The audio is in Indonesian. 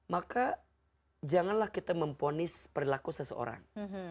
maka janganlah kita memponis perilaku seseorang